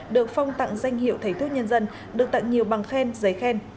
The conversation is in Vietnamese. được phong tặng danh hiệu thầy thuốc nhân dân được tặng nhiều bằng khen giấy khen